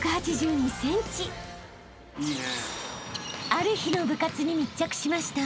［ある日の部活に密着しました］